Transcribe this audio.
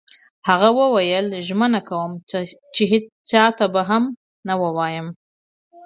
هغه وویل: ژمنه کوم چي هیڅ چا ته به نه وایم.